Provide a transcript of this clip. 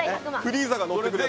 フリーザが乗ってくるやつ